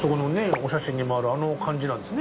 お写真にもあるあの感じなんですね